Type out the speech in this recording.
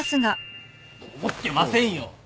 思ってませんよ！